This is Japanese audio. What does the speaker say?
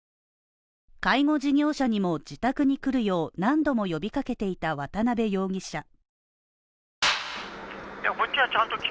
介護事業者にも自宅に来るよう何度も呼びかけていた渡辺容疑者。